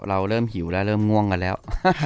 เราเริ่มหิวแล้วเริ่มง่วงกันแล้ว